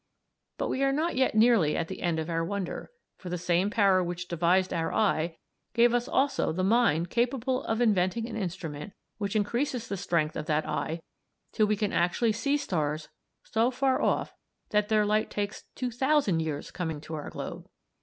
"But we are not yet nearly at the end of our wonder, for the same power which devised our eye gave us also the mind capable of inventing an instrument which increases the strength of that eye till we can actually see stars so far off that their light takes two thousand years coming to our globe.